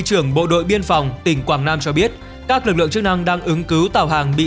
trưởng bộ đội biên phòng tỉnh quảng nam cho biết các lực lượng chức năng đang ứng cứu tàu hàng bị